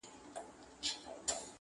• ويل يې چپ سه بېخبره بې دركه -